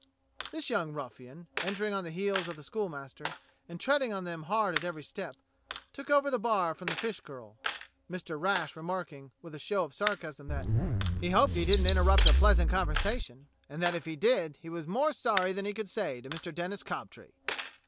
This young ruffian, entering on the heels of the schoolmaster, and treading on them hard at every step, took over the bar from the fish girl, Mr. Rash remarking with a show of sarcasm that "he hoped he didn't in terrupt a pleasant conversation, and that if he did he was more sorry than he could say to Mr. Denis Cobtree."